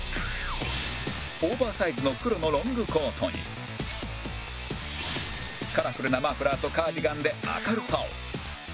オーバーサイズの黒のロングコートにカラフルなマフラーとカーティガンで明るさを